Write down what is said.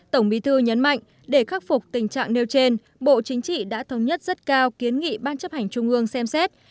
tổng bí thư nhấn mạnh để khắc phục tình trạng nêu trên bộ chính trị đã thống nhất rất cao kiến nghị ban chấp hành trung ương xem xét